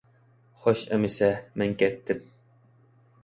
خوش ئەمىسە، مەن كەتتىم!